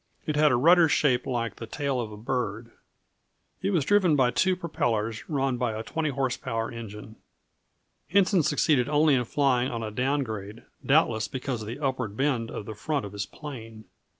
It had a rudder shaped like the tail of a bird. It was driven by two propellers run by a 20 horse power engine. Henson succeeded only in flying on a down grade, doubtless because of the upward bend of the front of his plane.